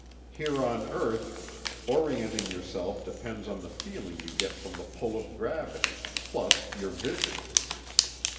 Here on earth, orienting yourself depends on the feeling you get from the pull of gravity, plus your vision.